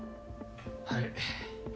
はい。